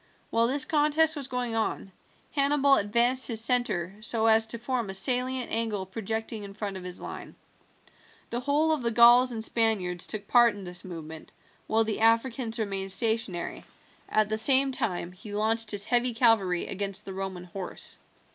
While this contest was going on, Hannibal advanced his centre so as to form a salient angle projecting in front of his line. The whole of the Gauls and Spaniards took part in this movement, while the Africans remained stationary; at the same time he launched his heavy cavalry against the Roman horse.